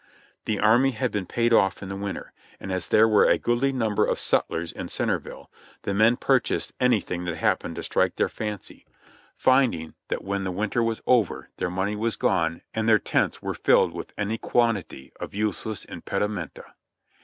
The army had been paid off in the winter, and as there were a goodly number of sutlers in Centerville, the men purchased anything that happened to strike their fancy, finding that when lOO JOHNNY RKB AND BILLY YANK the winter was over their money was gone and their tents were fjlled with any quantity of useless impedimenta.